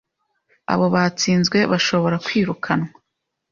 abo batsinzwe bashobora kwirukanwa